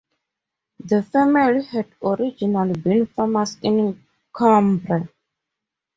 The family had originally been farmers in Cumbria.